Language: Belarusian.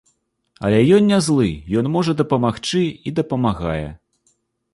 Але ён не злы, ён можа дапамагчы і дапамагае.